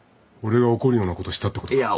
俺が怒るようなことしたってことか。